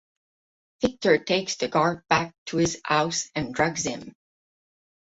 Victor takes the guard back to his house and drugs him.